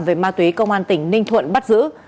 về ma túy công an tỉnh ninh thuận bắt giữ